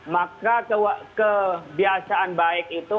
maka kebiasaan baik itu